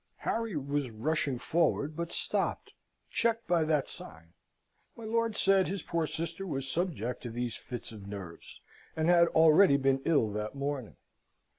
Harry was rushing forward, but stopped checked by that sign. My lord said his poor sister was subject to these fits of nerves, and had already been ill that morning.